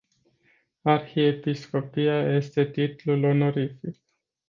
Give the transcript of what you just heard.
Arhiepiscopia este titlul onorific.